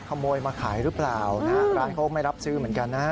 ขโมยมาขายหรือเปล่านะร้านเขาไม่รับซื้อเหมือนกันนะ